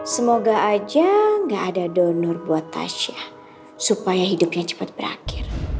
semoga aja gak ada donor buat tasyah supaya hidupnya cepat berakhir